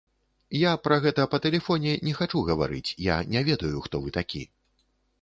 Я пра гэта па тэлефоне не хачу гаварыць, я не ведаю, хто вы такі.